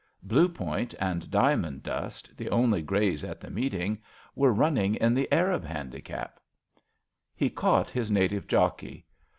Blue Point and ^Diamond Dust, the only greys at the meeting, were running in the Arab Handicap^ He caught his native jockey.